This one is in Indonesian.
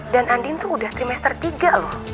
dan andien tuh udah trimester tiga loh